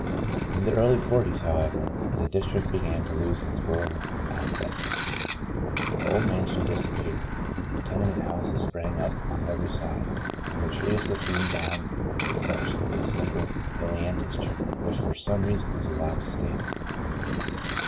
In the early forties, however, the district began to lose its ru ral aspect. The old mansion disappeared. Tenement houses sprang up on every side ; and the trees were hewn down with the ex ception of this single ailantus which for some reason was allowed to stand.